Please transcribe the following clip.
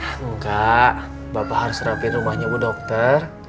enggak bapak harus rapih rumahnya bu dokter